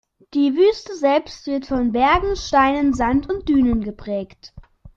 Die Wüste selbst wird von Bergen, Steinen, Sand und Dünen geprägt.